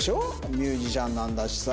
ミュージシャンなんだしさ。